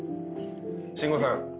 慎吾さん